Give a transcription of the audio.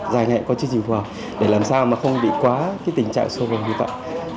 dài ngày cũng có chương trình phù hợp để làm sao mà không bị quá cái tình trạng sâu vầng như vậy